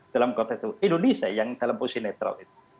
dalam konteks itu indonesia yang dalam posisi netral itu